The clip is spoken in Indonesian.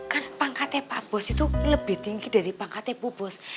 kan pangkatnya pak bos itu lebih tinggi dari pangkatnya pupus